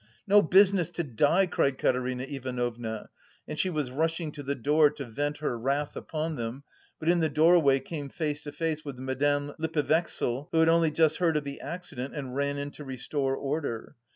"No business to die!" cried Katerina Ivanovna, and she was rushing to the door to vent her wrath upon them, but in the doorway came face to face with Madame Lippevechsel who had only just heard of the accident and ran in to restore order.